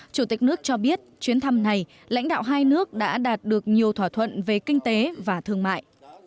chủ tịch nước cho biết chuyến thăm này lãnh đạo hai nước đã đạt được nhiều thỏa thuận về kinh tế và thương mại